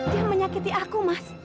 dia menyakiti aku mas